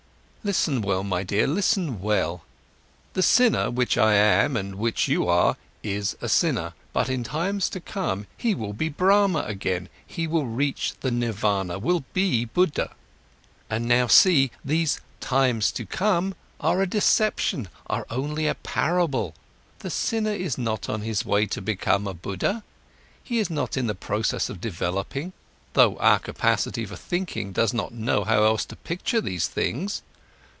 "Listen well, my dear, listen well! The sinner, which I am and which you are, is a sinner, but in times to come he will be Brahma again, he will reach the Nirvana, will be Buddha—and now see: these 'times to come' are a deception, are only a parable! The sinner is not on his way to become a Buddha, he is not in the process of developing, though our capacity for thinking does not know how else to picture these things.